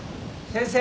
先生。